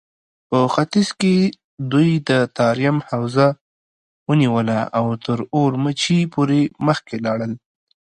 په ختيځ کې دوی د تاريم حوزه ونيوله او تر اورومچي پورې مخکې لاړل.